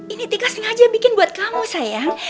ini tika sengaja bikin buat kamu sayang